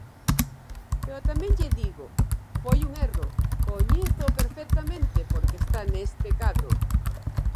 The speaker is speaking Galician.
Pero tamén lle digo: foi un erro, coñézoo perfectamente porque está neste cadro.